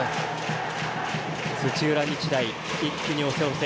土浦日大、一気に押せ押せ。